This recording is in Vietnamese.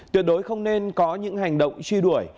tuyệt đối không nên có những hành động truy đuổi